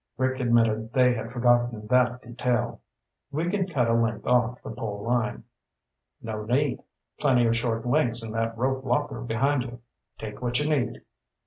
Rick admitted they had forgotten that detail. "We can cut a length off the pole line." "No need. Plenty of short lengths in that rope locker behind you. Take what you need."